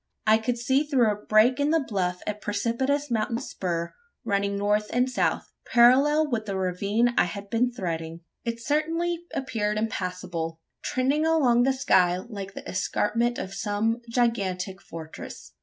I could see through a break in the bluff a precipitous mountain spur running north and south parallel with the ravine I had been threading. It certainly appeared impassable trending along the sky like the escarpment of some gigantic fortress.